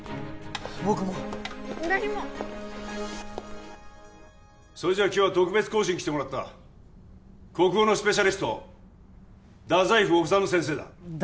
僕も私もそれじゃ今日は特別講師に来てもらった国語のスペシャリスト太宰府治先生だ